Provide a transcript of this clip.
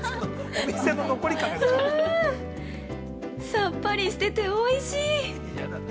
◆さっぱりしてておいしい！